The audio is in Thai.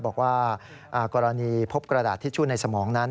บอกว่ากรณีพบกระดาษทิชชู่ในสมองนั้น